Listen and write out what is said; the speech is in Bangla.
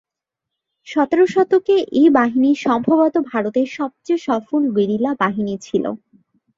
সতের শতকে এই বাহিনী সম্ভবত ভারতের সবচেয়ে সফল গেরিলা বাহিনী ছিল।